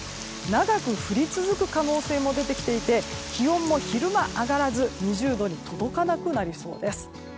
長く降り続く可能性も出てきていて気温も昼間上がらず２０度に届かなくなりそうです。